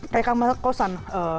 kayak kamar kosan